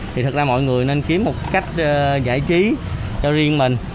thì thật ra mọi người nên kiếm một cách giải trí cho riêng mình